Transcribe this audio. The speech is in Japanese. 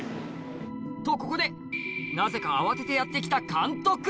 とここでなぜか慌ててやって来た監督